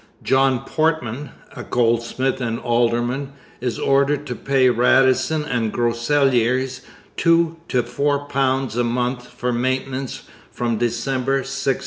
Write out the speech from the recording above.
John Portman, a goldsmith and alderman, is ordered to pay Radisson and Groseilliers £2 to £4 a month for maintenance from December 1667.